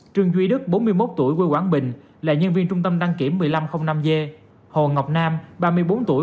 trương duy đức bốn mươi một tuổi quê quảng bình là nhân viên trung tâm đăng kiểm một nghìn năm trăm linh năm g hồ ngọc nam ba mươi bốn tuổi